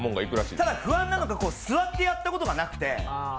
ただ、不安なのが座ってやったことがなくて。